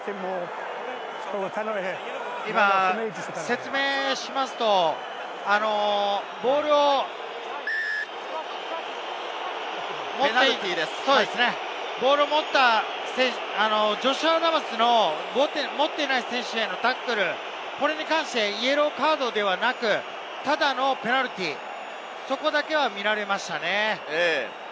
説明しますと、ボールを持ったジョシュ・アダムスの持っていない選手へのタックル、これに対してはただのペナルティー、そこだけは見られましたね。